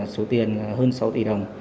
số tiền hơn sáu tỷ đồng